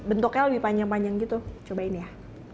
bentuknya lebih panjang panjang gitu cobain ya